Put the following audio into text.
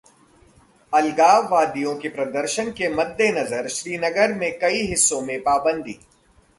अलगाववादियों के प्रदर्शन के मद्देनज़र श्रीनगर के कई हिस्सों में पाबंदी